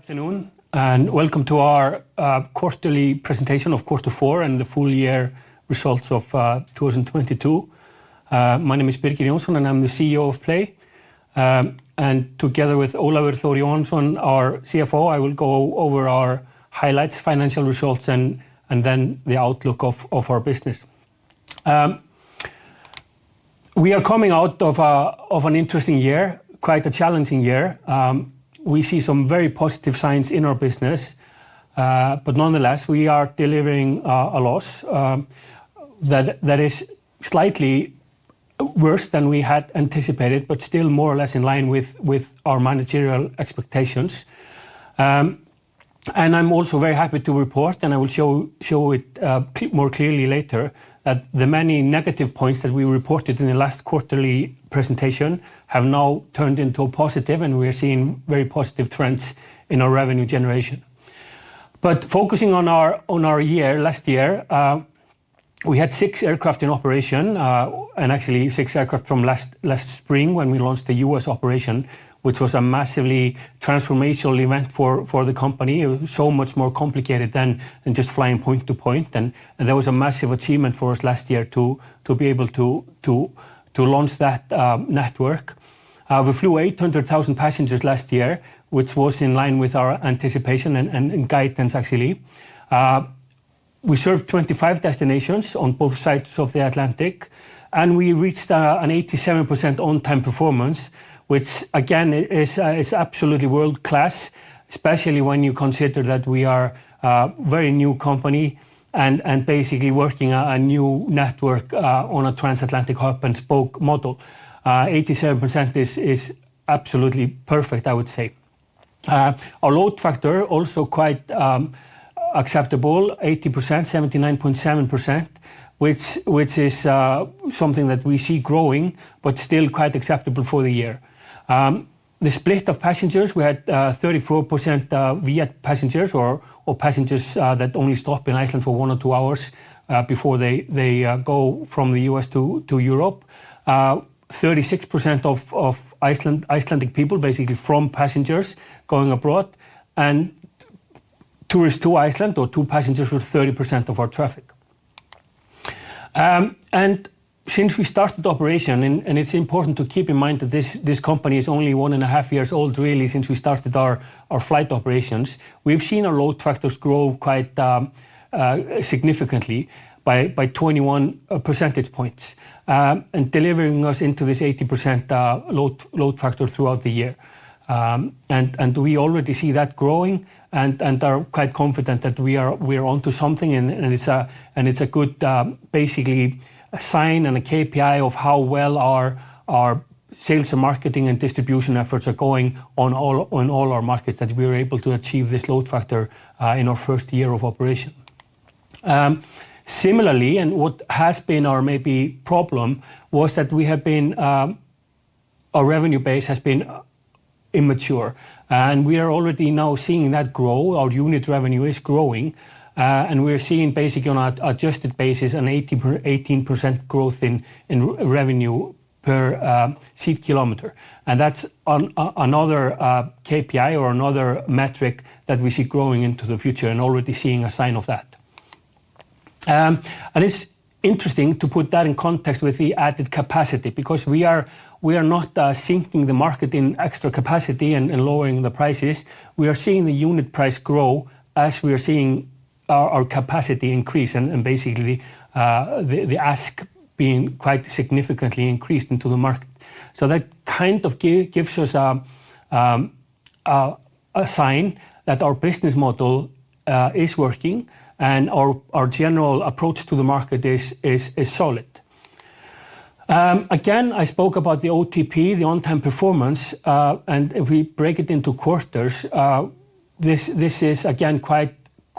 Good afternoon and welcome to our quarterly presentation of quarter four and the full year results of 2022. My name is Birgir Jónsson, and I'm the CEO of PLAY. Together with Ólafur Þór Jóhannesson, our CFO, I will go over our highlights, financial results, and then the outlook of our business. We are coming out of an interesting year, quite a challenging year. We see some very positive signs in our business, but nonetheless, we are delivering a loss that is slightly worse than we had anticipated, but still more or less in line with our managerial expectations. I'm also very happy to report, and I will show it more clearly later, that the many negative points that we reported in the last quarterly presentation have now turned into a positive. We are seeing very positive trends in our revenue generation. Focusing on our year, last year, we had six aircraft in operation, and actually six aircraft from last spring when we launched the U.S. operation, which was a massively transformational event for the company. It was so much more complicated than just flying point to point. That was a massive achievement for us last year to be able to launch that network. We flew 800,000 passengers last year, which was in line with our anticipation and guidance actually. We served 25 destinations on both sides of the Atlantic, and we reached an 87% on-time performance, which is absolutely world-class, especially when you consider that we are a very new company and basically working on a new network, on a transatlantic hub-and-spoke model. 87% is absolutely perfect, I would say. Our load factor also quite acceptable, 80%, 79.7%, which is something that we see growing, but still quite acceptable for the year. The split of passengers, we had 34% VIA passengers or passengers that only stop in Iceland for one or two hours, before they go from the U.S. to Europe. 36% of Iceland, Icelandic people, basically from passengers going abroad and tourists to Iceland or to passengers with 30% of our traffic. Since we started operation, and it's important to keep in mind that this company is only one and a half years old, really, since we started our flight operations, we've seen our load factors grow quite significantly by 21 percentage points, and delivering us into this 80% load factor throughout the year. We already see that growing and are quite confident that we are onto something and it's a good basically a sign and a KPI of how well our sales and marketing and distribution efforts are going on all our markets that we were able to achieve this load factor in our first year of operation. Similarly, what has been our maybe problem was that we have been our revenue base has been immature, and we are already now seeing that grow. Our unit revenue is growing, and we're seeing basically on an adjusted basis an 18% growth in revenue per seat kilometer. That's another KPI or another metric that we see growing into the future and already seeing a sign of that. It's interesting to put that in context with the added capacity because we are not sinking the market in extra capacity and lowering the prices. We are seeing the unit price grow as we are seeing our capacity increase and basically, the ASK being quite significantly increased into the market. That kind of gives us a sign that our business model is working and our general approach to the market is solid. Again, I spoke about the OTP, the on-time performance, and if we break it into quarters, this is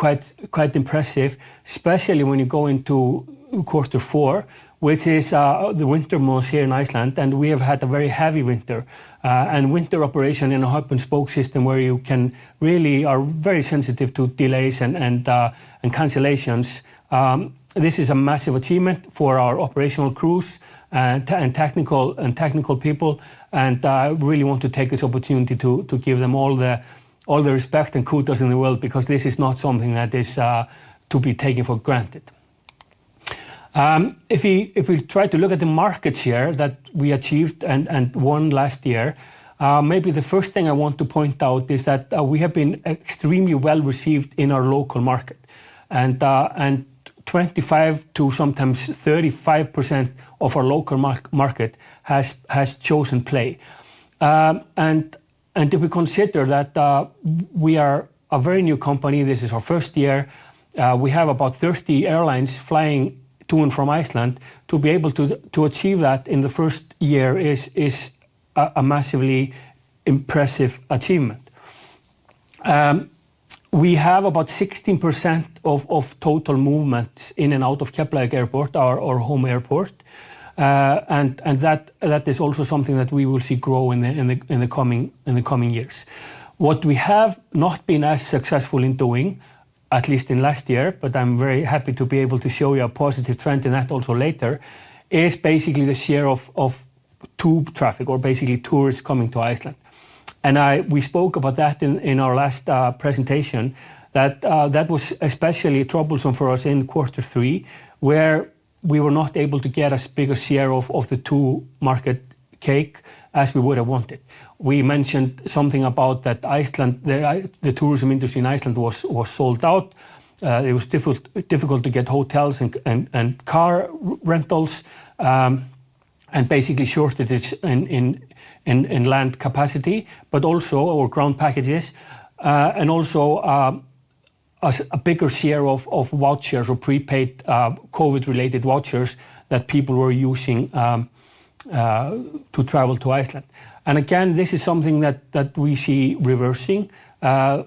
again quite impressive, especially when you go into quarter four, which is the winter months here in Iceland, and we have had a very heavy winter and winter operation in a hub-and-spoke system where you can really are very sensitive to delays and cancellations. This is a massive achievement for our operational crews and technical people, and I really want to take this opportunity to give them all the respect and kudos in the world because this is not something that is to be taken for granted. If we try to look at the market share that we achieved and won last year, maybe the first thing I want to point out is that we have been extremely well-received in our local market and 25% to sometimes 35% of our local market has chosen PLAY. If we consider that we are a very new company, this is our first year, we have about 30 airlines flying to and from Iceland to be able to achieve that in the first year is a massively impressive achievement. We have about 16% of total movements in and out of Keflavik Airport, our home airport, and that is also something that we will see grow in the coming years. What we have not been as successful in doing, at least in last year, but I'm very happy to be able to show you a positive trend in that also later, is basically the share of To traffic or basically tourists coming to Iceland. We spoke about that in our last presentation that was especially troublesome for us in quarter three, where we were not able to get as big a share of the To market cake as we would have wanted. We mentioned something about that Iceland, the tourism industry in Iceland was sold out. It was difficult to get hotels and car rentals, and basically shortages in land capacity, but also our ground packages, and also a bigger share of vouchers or prepaid COVID-related vouchers that people were using to travel to Iceland. Again, this is something that we see reversing, and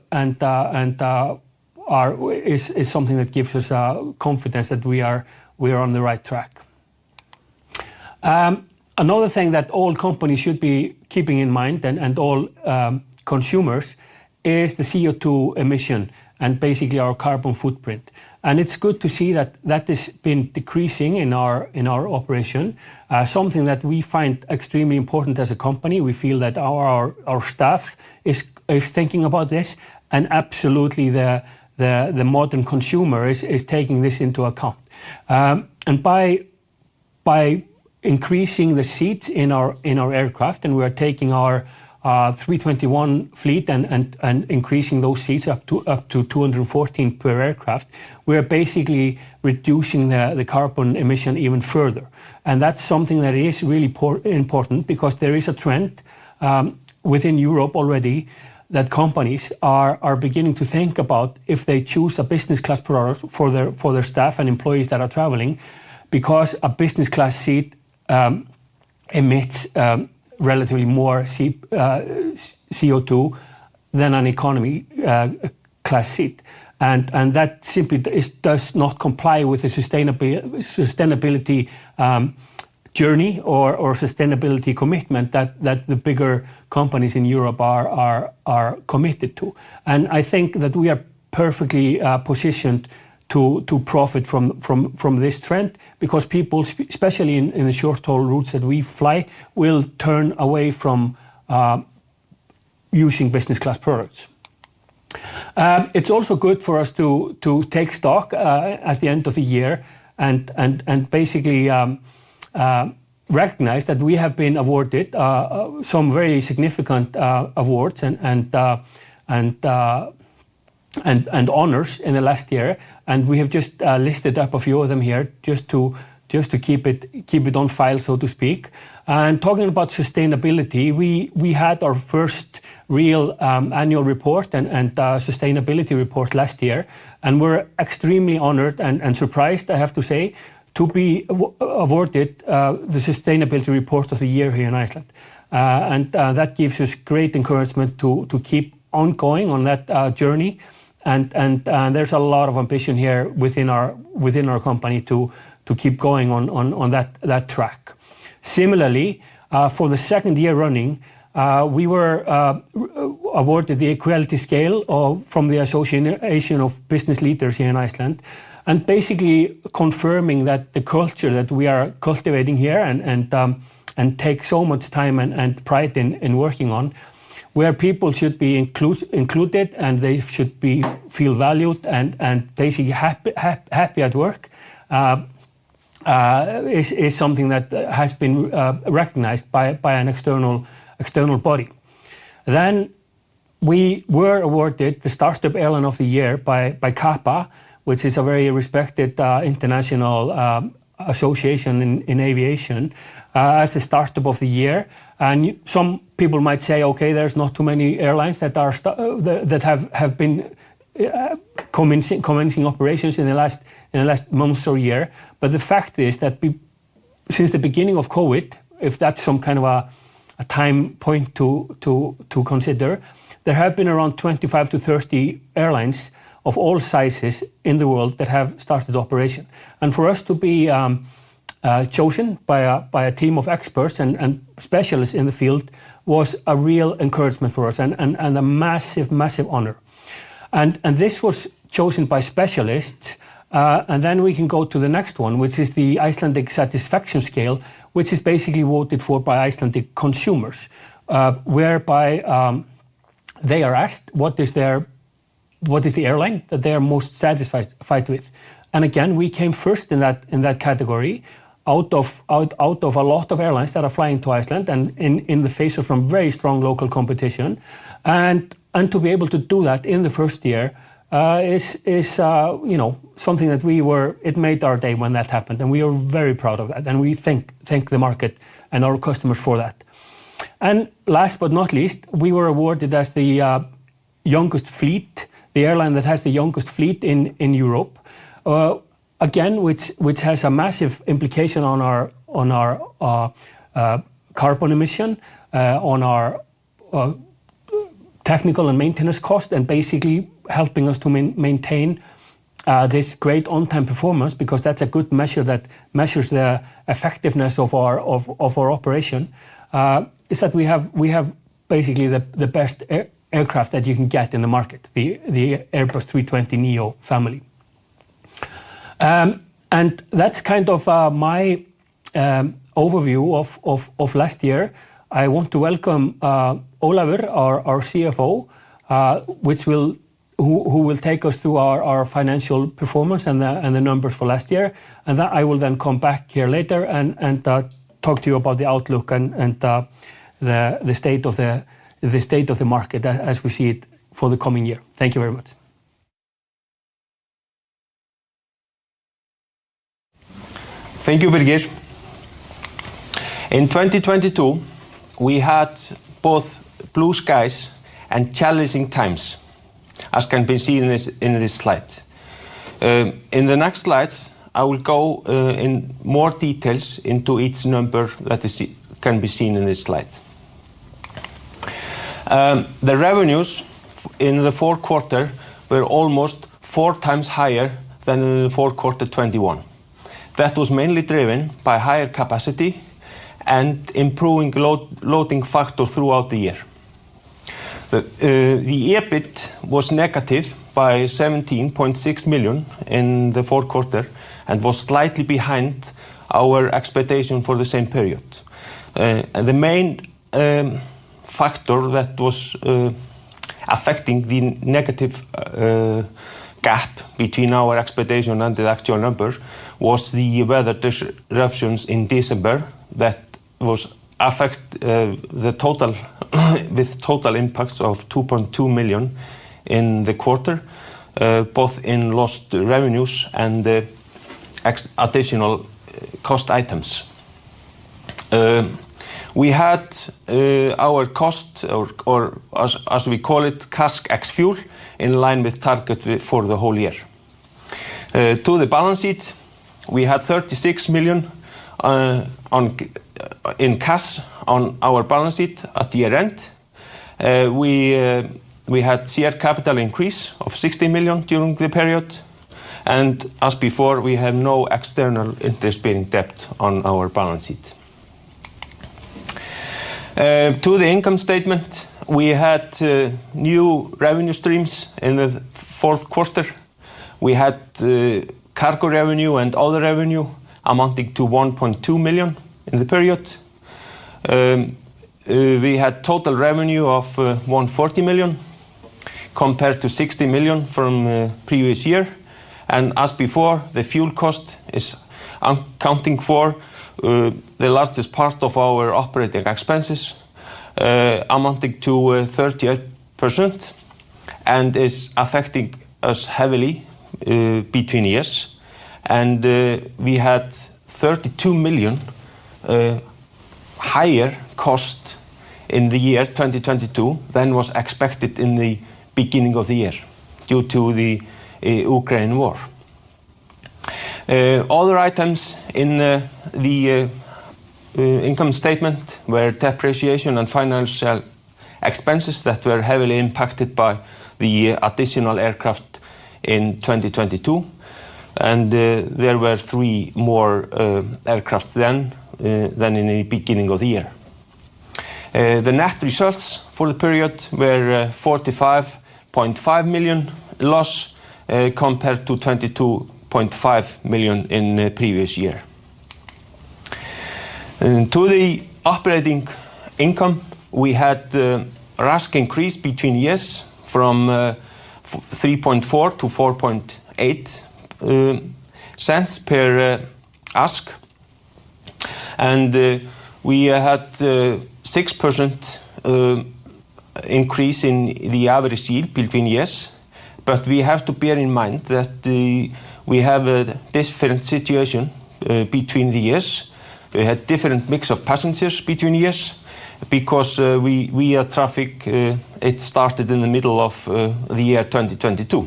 is something that gives us confidence that we are on the right track. Another thing that all companies should be keeping in mind and all consumers is the CO2 emission and basically our carbon footprint. It's good to see that that has been decreasing in our operation. Something that we find extremely important as a company. We feel that our staff is thinking about this and absolutely the modern consumer is taking this into account. By increasing the seats in our aircraft, and we are taking our A321 fleet and increasing those seats up to 214 per aircraft, we are basically reducing the carbon emission even further. That's something that is really important because there is a trend within Europe already that companies are beginning to think about if they choose a business class product for their staff and employees that are traveling because a business class seat emits relatively more CO2 than an economy class seat. That simply does not comply with the sustainability journey or sustainability commitment that the bigger companies in Europe are committed to. I think that we are perfectly positioned to profit from this trend because people, especially in the short-haul routes that we fly, will turn away from using business class products. It's also good for us to take stock at the end of the year and basically recognize that we have been awarded some very significant awards and honors in the last year. We have just listed up a few of them here just to keep it on file, so to speak. Talking about sustainability, we had our first real annual report and sustainability report last year. We're extremely honored and surprised, I have to say, to be awarded the Sustainability Report of the Year here in Iceland. That gives us great encouragement to keep on going on that journey. There's a lot of ambition here within our company to keep going on that track. Similarly, for the second year running, we were awarded the Equality Scale from the Association of Business Leaders here in Iceland, and basically confirming that the culture that we are cultivating here and take so much time and pride in working on, where people should be included and they should be feel valued and basically happy at work, is something that has been recognized by an external body. We were awarded the Startup Airline of the Year by CAPA, which is a very respected international association in aviation, as the Startup of the Year. Some people might say, "Okay, there's not too many airlines that have been commencing operations in the last months or year." The fact is that since the beginning of COVID, if that's some kind of a time point to consider, there have been around 25 to 30 airlines of all sizes in the world that have started operation. For us to be chosen by a team of experts and specialists in the field was a real encouragement for us and a massive honor. This was chosen by specialists. Then we can go to the next one, which is the Icelandic Satisfaction Scale, which is basically voted for by Icelandic consumers, whereby they are asked, what is the airline that they are most satisfied with? Again, we came first in that category out of a lot of airlines that are flying to Iceland and in the face of some very strong local competition. To be able to do that in the first year, you know, something that it made our day when that happened, and we are very proud of that. We thank the market and our customers for that. Last but not least, we were awarded as the youngest fleet, the airline that has the youngest fleet in Europe, again, which has a massive implication on our carbon emission, on our technical and maintenance cost, and basically helping us to maintain this great on-time performance, because that's a good measure that measures the effectiveness of our operation, is that we have basically the best aircraft that you can get in the market, the Airbus A320neo family. That's kind of my overview of last year. I want to welcome Ólafur, our CFO, who will take us through our financial performance and the numbers for last year. I will then come back here later and talk to you about the outlook and the state of the market as we see it for the coming year. Thank you very much. Thank you, Birgir. In 2022, we had both blue skies and challenging times, as can be seen in this slide. In the next slides, I will go in more details into each number that can be seen in this slide. The revenues in the fourth quarter were almost 4x higher than in the fourth quarter 2021. That was mainly driven by higher capacity and improving load factor throughout the year. The EBIT was negative by $17.6 million in the fourth quarter and was slightly behind our expectation for the same period. The main factor that was affecting the negative gap between our expectation and the actual number was the weather disruptions in December that was affect the total with total impacts of $2.2 million in the quarter, both in lost revenues and additional cost items. We had our cost or as we call it, CASK ex-fuel, in line with target for the whole year. To the balance sheet, we had $36 million in cash on our balance sheet at year-end. We had shared capital increase of $60 million during the period. As before, we have no external interest-bearing debt on our balance sheet. To the income statement, we had new revenue streams in the fourth quarter. We had cargo revenue and other revenue amounting to $1.2 million in the period. We had total revenue of $140 million compared to $60 million from previous year. As before, the fuel cost is accounting for the largest part of our operating expenses, amounting to 38% and is affecting us heavily between years. We had $32 million higher cost in the year 2022 than was expected in the beginning of the year due to the Ukraine War. Other items in the income statement were depreciation and financial expenses that were heavily impacted by the additional aircraft in 2022. There were three more aircraft then than in the beginning of the year. The net results for the period were $45.5 million loss compared to $22.5 million in the previous year. To the operating income, we had RASK increase between years from 3.4 to 4.8 cents per ASK. We had a 6% increase in the average yield between years. We have to bear in mind that we have a different situation between the years. We had different mix of passengers between years because we are traffic, it started in the middle of the year 2022.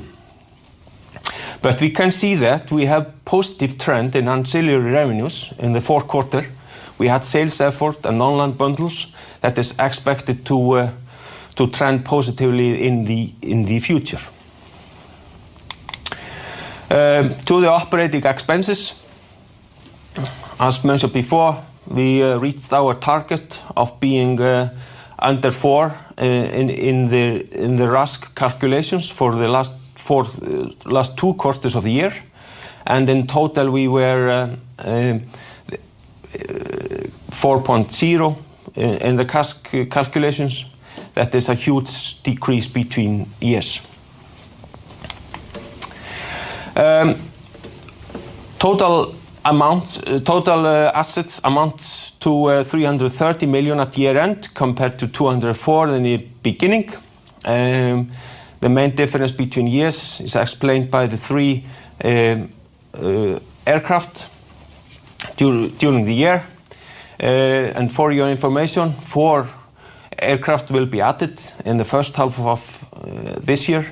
We can see that we have positive trend in ancillary revenues in the fourth quarter. We had sales effort and online bundles that is expected to trend positively in the future. To the operating expenses, as mentioned before, we reached our target of being under four in the RASK calculations for the last two quarters of the year. In total, we were 4.0 in the CASK calculations. That is a huge decrease between years. Total assets amounts to $330 million at year-end compared to $204 million in the beginning. The main difference between years is explained by the three aircraft during the year. For your information, four aircraft will be added in the first half of this year,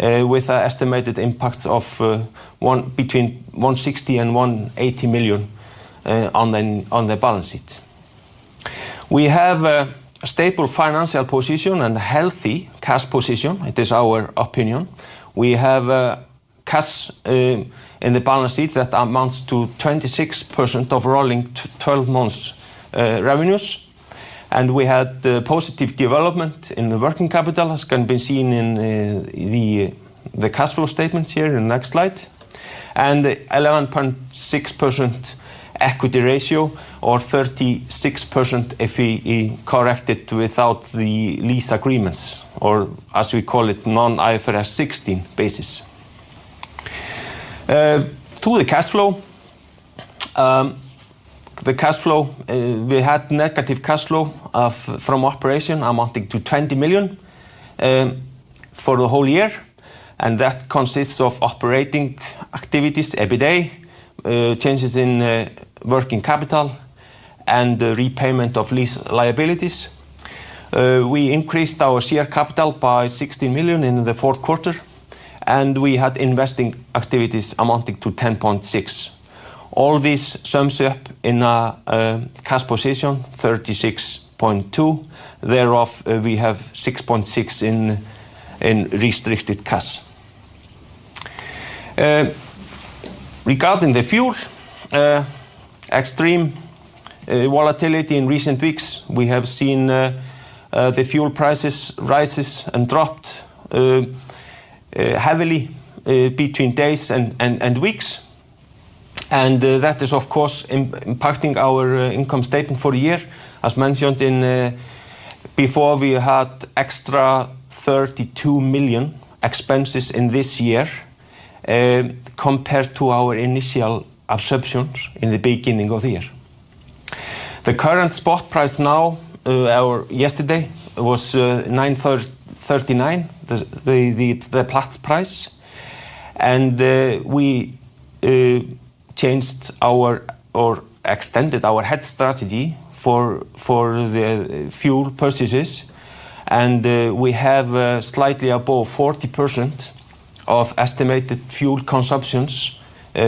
with a estimated impact of between $160 million and $180 million on the balance sheet. We have a stable financial position and healthy cash position. It is our opinion. We have cash in the balance sheet that amounts to 26% of rolling 12 months revenues. We had positive development in the working capital, as can be seen in the cash flow statement here in the next slide. 11.6% equity ratio or 36% if we correct it without the lease agreements, or as we call it, non-IFRS 16 basis. To the cash flow. The cash flow, we had negative cash flow from operation amounting to $20 million for the whole year, and that consists of operating activities every day, changes in working capital and the repayment of lease liabilities. We increased our share capital by $16 million in the fourth quarter, and we had investing activities amounting to $10.6 million. All this sums up in a cash position $36.2. Thereof, we have $6.6 in restricted cash. Regarding the fuel, extreme volatility in recent weeks. We have seen the fuel prices rises and dropped heavily between days and weeks. That is, of course, impacting our income statement for the year. As mentioned before, we had extra $32 million expenses in this year compared to our initial assumptions in the beginning of the year. The current spot price now or yesterday was 939, the Platts price. We changed our or extended our head strategy for the fuel purchases. We have slightly above 40% of estimated fuel consumptions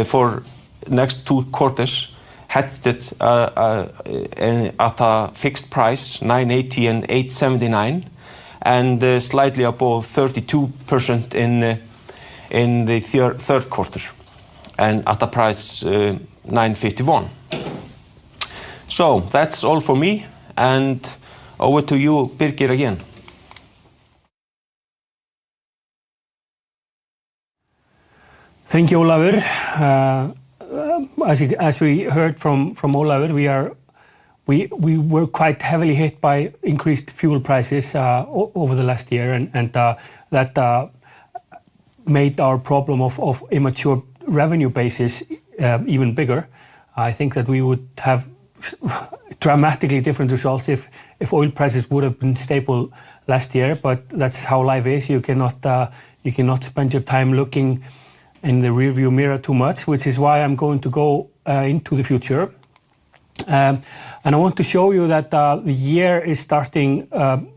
for next two quarters hedged at a fixed price, $9.80 and $8.79, and slightly above 32% in the third quarter and at a price, $9.51. That's all for me. Over to you, Birgir, again. Thank you, Ólafur. As you, as we heard from Ólafur, we were quite heavily hit by increased fuel prices over the last year. That made our problem of immature revenue basis even bigger. I think that we would have dramatically different results if oil prices would have been stable last year. That's how life is. You cannot spend your time looking in the rear view mirror too much, which is why I'm going to go into the future. I want to show you that the year is starting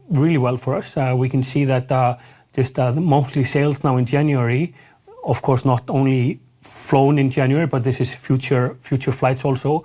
really well for us. We can see that just the monthly sales now in January, of course, not only flown in January, but this is future flights also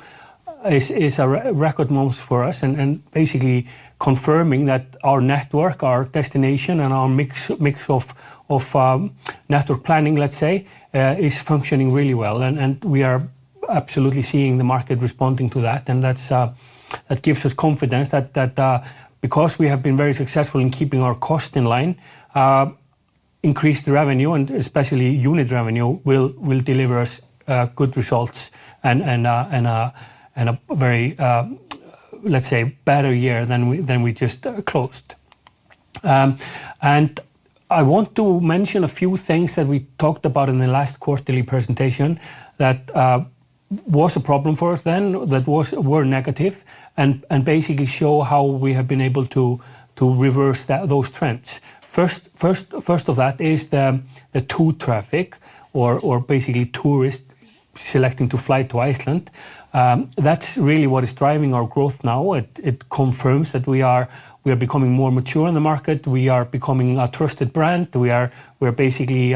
is a re-record month for us and basically confirming that our network, our destination and our mix of network planning, let's say, is functioning really well. We are absolutely seeing the market responding to that. That gives us confidence that because we have been very successful in keeping our cost in line, increased revenue and especially unit revenue will deliver us good results and a very, let's say better year than we just closed. I want to mention a few things that we talked about in the last quarterly presentation that were negative and basically show how we have been able to reverse those trends. First of that is the To traffic or basically tourists selecting to fly to Iceland. That's really what is driving our growth now. It confirms that we are becoming more mature in the market. We are becoming a trusted brand. We are basically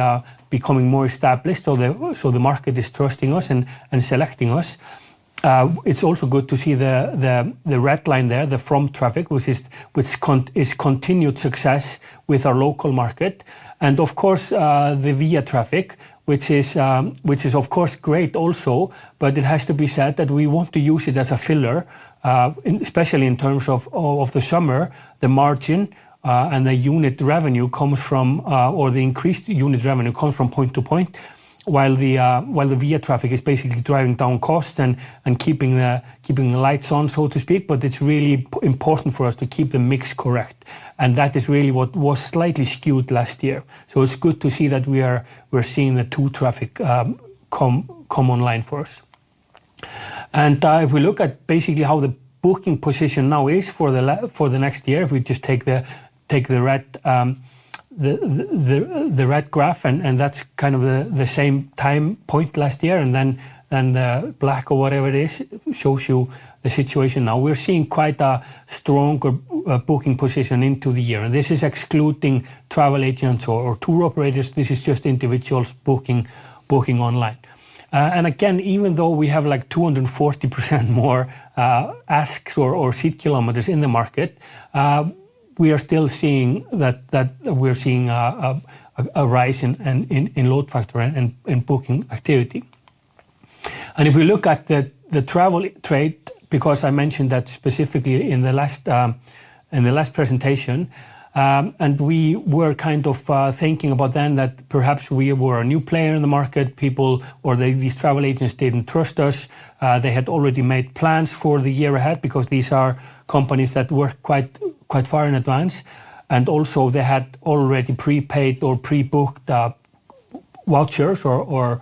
becoming more established. The market is trusting us and selecting us. It's also good to see the red line there, the From traffic, which is continued success with our local market and of course, the VIA traffic, which is of course great also. It has to be said that we want to use it as a filler, especially in terms of the summer, the margin, and the unit revenue comes from, or the increased unit revenue comes from point to point. While the VIA traffic is basically driving down costs and keeping the lights on, so to speak, but it's really important for us to keep the mix correct, and that is really what was slightly skewed last year. It's good to see that we are, we're seeing the To traffic come online for us. If we look at basically how the booking position now is for the next year, if we just take the red graph and that's kind of the same time point last year. Then, the black or whatever it is shows you the situation now. We're seeing quite a stronger booking position into the year. This is excluding travel agents or tour operators. This is just individuals booking online. Again, even though we have like 240% more ASKs or seat kilometers in the market, we are still seeing that we're seeing a rise in load factor and in booking activity. If we look at the travel trade, because I mentioned that specifically in the last presentation, we were kind of thinking about then that perhaps we were a new player in the market, people or they, these travel agents didn't trust us. They had already made plans for the year ahead because these are companies that work quite far in advance, also they had already prepaid or pre-booked vouchers or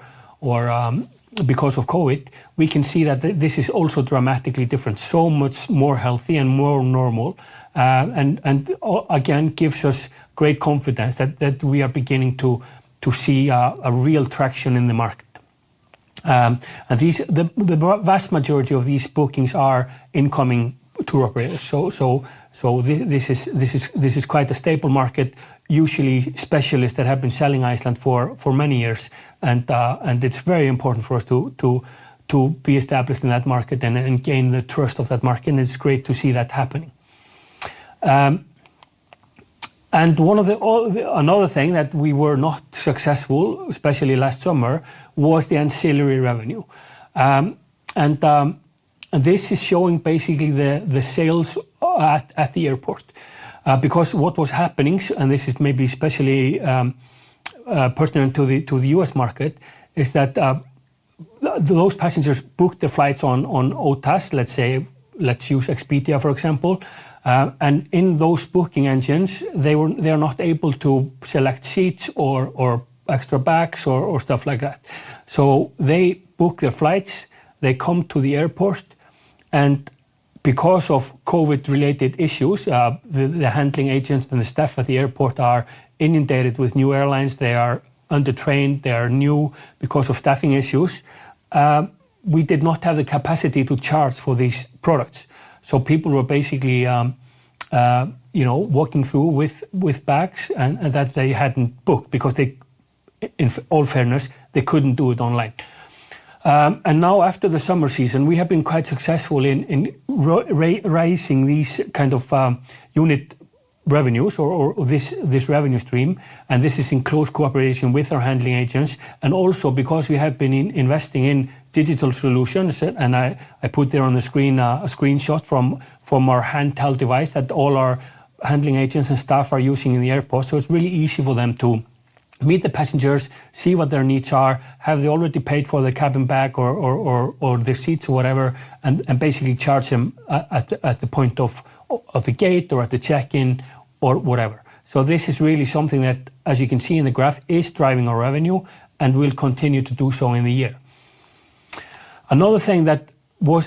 because of COVID, we can see that this is also dramatically different, so much more healthy and more normal. gives us great confidence that we are beginning to see a real traction in the market. The vast majority of these bookings are incoming tour operators. This is quite a stable market, usually specialists that have been selling Iceland for many years, and it's very important for us to be established in that market and gain the trust of that market, and it's great to see that happening. One of the things that we were not successful, especially last summer, was the ancillary revenue. This is showing basically the sales at the airport. What was happening, and this is maybe especially pertinent to the U.S. market, is that those passengers booked the flights on OTAs, let's say, let's use Expedia, for example, and in those booking engines, they are not able to select seats or extra bags or stuff like that. They book their flights, they come to the airport, and because of COVID-related issues, the handling agents and the staff at the airport are inundated with new airlines. They are undertrained, they are new because of staffing issues. We did not have the capacity to charge for these products. People were basically, you know, walking through with bags and that they hadn't booked because they, in all fairness, they couldn't do it online. Now after the summer season, we have been quite successful in raising these kind of unit revenues or this revenue stream. This is in close cooperation with our handling agents and also because we have been investing in digital solutions. I put there on the screen a screenshot from our handheld device that all our handling agents and staff are using in the airport. It's really easy for them to meet the passengers, see what their needs are, have they already paid for the cabin bag or the seats or whatever, and basically charge them at the point of the gate or at the check-in or whatever. This is really something that, as you can see in the graph, is driving our revenue and will continue to do so in the year. Another thing that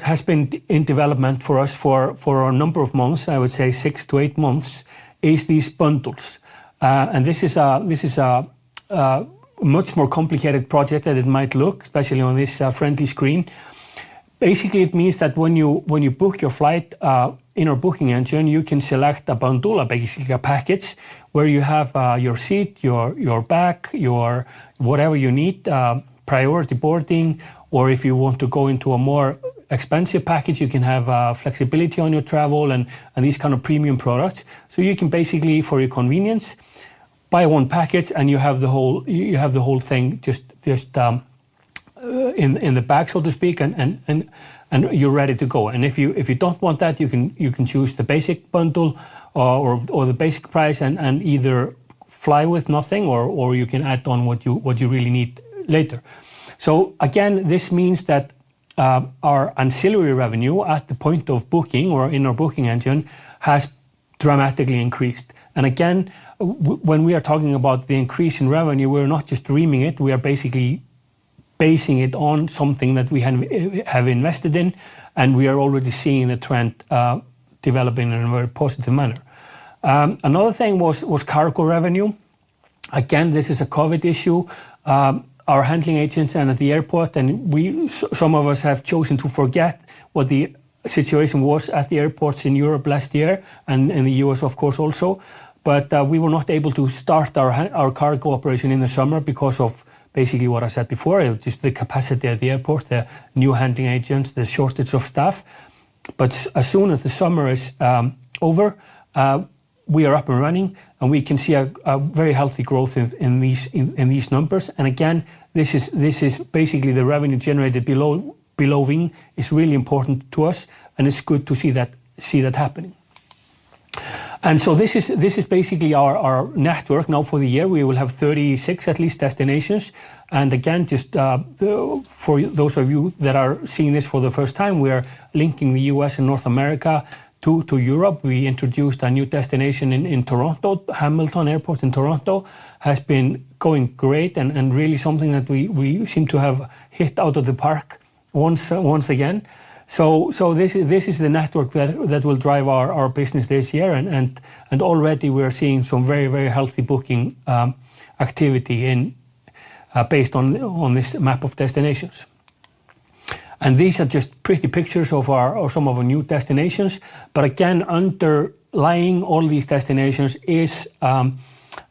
has been in development for us for a number of months, I would say six to eight months, is these bundles. This is a much more complicated project than it might look, especially on this friendly screen. Basically, it means that when you book your flight in our booking engine, you can select a bundle, basically a package, where you have your seat, your bag, your whatever you need, priority boarding, or if you want to go into a more expensive package, you can have flexibility on your travel and these kind of premium products. You can basically for your convenience, buy one package, and you have the whole, you have the whole thing just in the bag, so to speak, and you're ready to go. If you don't want that, you can choose the basic bundle or the basic price and either fly with nothing or you can add on what you really need later. Again, when we are talking about the increase in revenue, we're not just dreaming it. We are basically basing it on something that we have invested in, and we are already seeing the trend developing in a very positive manner. Another thing was cargo revenue. Again, this is a COVID issue. Our handling agents and at the airport and some of us have chosen to forget what the situation was at the airports in Europe last year and in the U.S., of course, also. We were not able to start our cargo operation in the summer because of basically what I said before, just the capacity at the airport, the new handling agents, the shortage of staff. As soon as the summer is over, we are up and running, and we can see a very healthy growth in these numbers. Again, this is basically the revenue generated below wing. It's really important to us and it's good to see that happening. This is basically our network now for the year. We will have 36 at least destinations. Just for those of you that are seeing this for the first time, we are linking the U.S. and North America to Europe. We introduced a new destination in Toronto. Hamilton Airport in Toronto has been going great and really something that we seem to have hit out of the park once again. This is the network that will drive our business this year. Already we are seeing some very, very healthy booking activity in based on this map of destinations. These are just pretty pictures of our or some of our new destinations. Again, underlying all these destinations is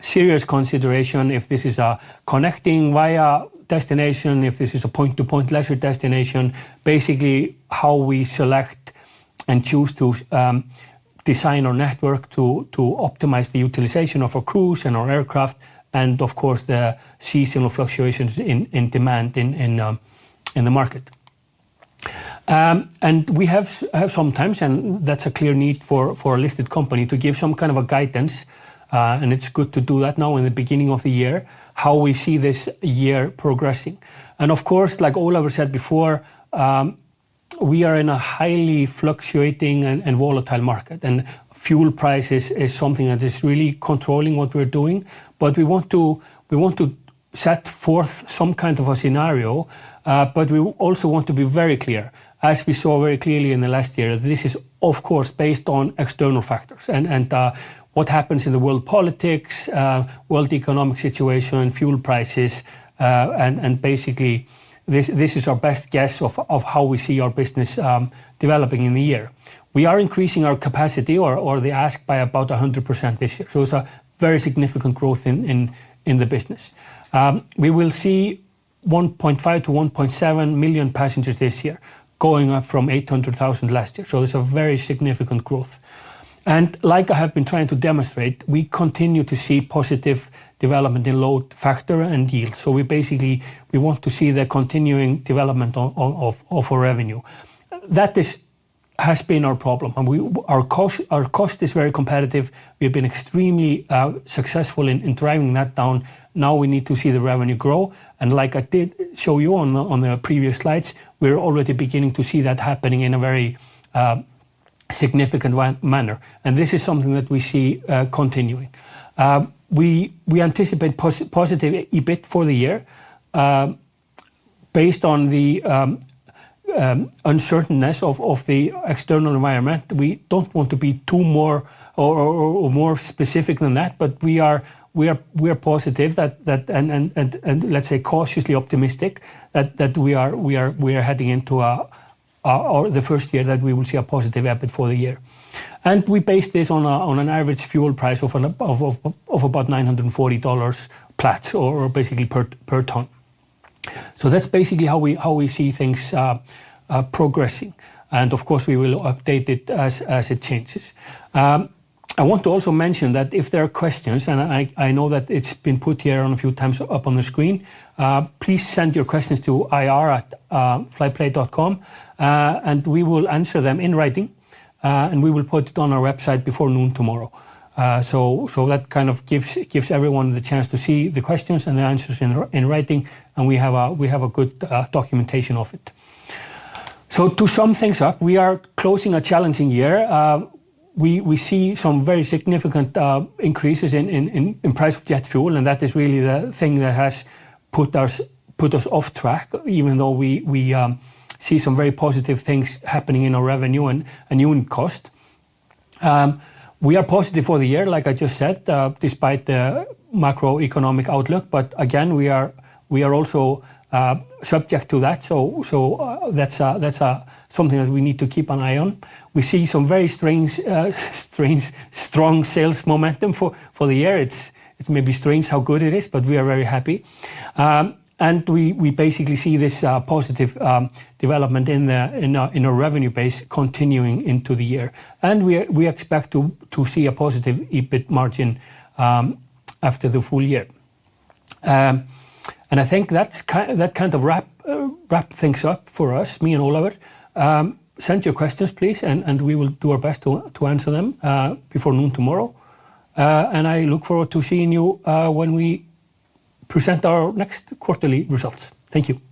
serious consideration if this is a connecting VIA destination, if this is a point-to-point leisure destination, basically how we choose to design our network to optimize the utilization of our crews and our aircraft and of course the seasonal fluctuations in demand in the market. We have sometimes, and that's a clear need for a listed company to give some kind of a guidance, and it's good to do that now in the beginning of the year, how we see this year progressing. Of course, like Ólafur Þór Jóhannesson said before, we are in a highly fluctuating and volatile market, and fuel prices is something that is really controlling what we're doing. We want to set forth some kind of a scenario, but we also want to be very clear. As we saw very clearly in the last year, this is of course based on external factors and what happens in the world politics, world economic situation and fuel prices, and basically this is our best guess of how we see our business developing in the year. We are increasing our capacity or the ASK by about 100% this year. It's a very significant growth in the business. We will see 1.5 million-1.7 million passengers this year, going up from 800,000 last year. It's a very significant growth. Like I have been trying to demonstrate, we continue to see positive development in load factor and yield. We basically want to see the continuing development of our revenue. That has been our problem, and our cost is very competitive. We've been extremely successful in driving that down. We need to see the revenue grow, and like I did show you on the previous slides, we're already beginning to see that happening in a very significant manner. This is something that we see continuing. We anticipate positive EBIT for the year. Based on the uncertainness of the external environment, we don't want to be too more or more specific than that. We are positive that and let's say cautiously optimistic that we are heading into or the first year that we will see a positive EBIT for the year. We base this on an average fuel price of about $940 flat or basically per ton. That's basically how we see things progressing, and of course we will update it as it changes. I want to also mention that if there are questions, I know that it's been put here on a few times up on the screen, please send your questions to ir@flyplay.com. We will answer them in writing, and we will put it on our website before noon tomorrow. That kind of gives everyone the chance to see the questions and the answers in writing, and we have a good documentation of it. To sum things up, we are closing a challenging year. We see some very significant increases in price of jet fuel. That is really the thing that has put us off track even though we see some very positive things happening in our revenue and unit cost. We are positive for the year, like I just said, despite the macroeconomic outlook. Again we are also subject to that, so that's something that we need to keep an eye on. We see some very strange strong sales momentum for the year. It's maybe strange how good it is, but we are very happy. We basically see this positive development in our revenue base continuing into the year. We expect to see a positive EBIT margin after the full year. I think that kind of wrap things up for us, me and Ólafur. Send your questions please, and we will do our best to answer them before noon tomorrow. I look forward to seeing you, when we present our next quarterly results. Thank you.